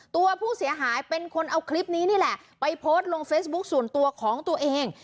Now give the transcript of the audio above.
ตัวผู้เสียหายเป็นคนเอาคลิปนี้นี่แหละไปโพสต์ลงเฟซบุ๊คส่วนตัวของตัวเอง